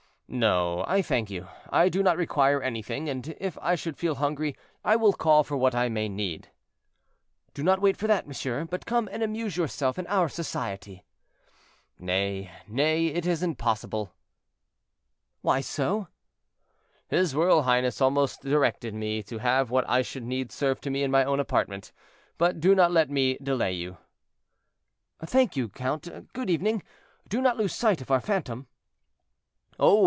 "No, I thank you, I do not require anything; and, if I should feel hungry, I will call for what I may need." "Do not wait for that, monsieur; but come and amuse yourself in our society." "Nay, nay, it is impossible." "Why so?" "His royal highness almost directed me to have what I should need served to me in my own apartment; but do not let me delay you." "Thank you, count, good evening; do not lose sight of our phantom." "Oh!